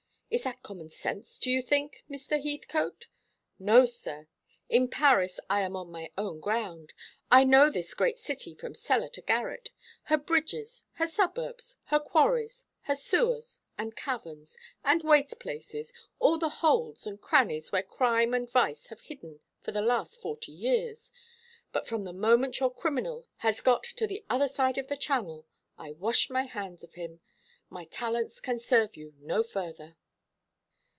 Is that common sense, do you think, Mr. Heathcote? No, sir; in Paris I am on my own ground. I know this great city from cellar to garret her bridges, her suburbs, her quarries, her sewers, and caverns, and waste places, all the holes and crannies where crime and vice have hidden for the last forty years; but from the moment your criminal has got to the other side of the Channel, I wash my hands of him. My talents can serve you no further."